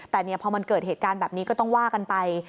แต่พอมันเกิดเหตุการณ์แบบนี้ก็ต้องว่ากันไป